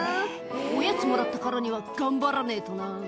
「おやつもらったからには頑張らねえとな」